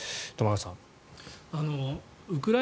玉川さん。